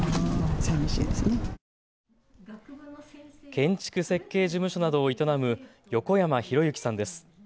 建築設計事務所などを営む横山裕幸さんです。